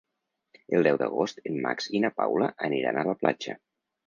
El deu d'agost en Max i na Paula aniran a la platja.